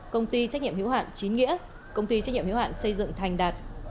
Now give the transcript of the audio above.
công ty trách nhiệm hiểu hạn chín nghĩa công ty trách nhiệm hiểu hạn xây dựng thành đạt